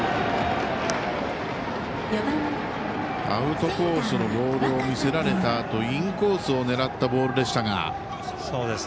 アウトコースのボールを見せられたあとインコースを狙ったボールでしたが。